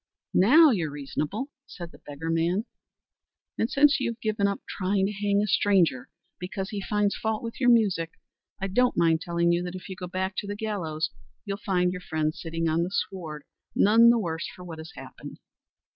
"Now, you're reasonable," said the beggarman, "and since you've given up trying to hang a stranger because he finds fault with your music, I don't mind telling you that if you go back to the gallows you'll find your friends sitting on the sward none the worse for what has happened."